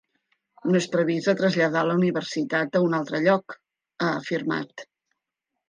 No és previst de traslladar la universitat a un altre lloc, ha afirmat.